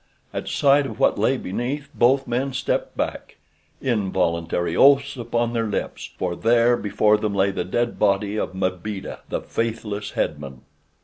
At sight of what lay beneath both men stepped back—involuntary oaths upon their lips—for there before them lay the dead body of Mbeeda, the faithless head man.